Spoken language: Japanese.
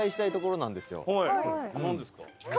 何ですか？